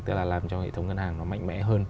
tức là làm cho hệ thống ngân hàng nó mạnh mẽ hơn